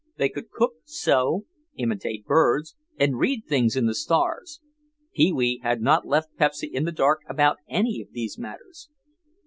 They could cook, sew, imitate birds, and read things in the stars. Pee wee had not left Pepsy in the dark about any of these matters.